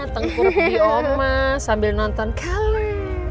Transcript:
tengkurup di oma sambil nonton color